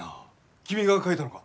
君が描いたのか？